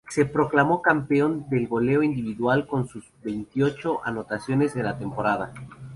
Se proclamó campeón de goleo individual con sus veintiocho anotaciones en la temporada.